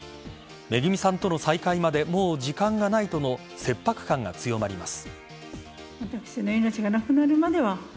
めぐみさんとの再会までもう時間がないとの切迫感が強まります。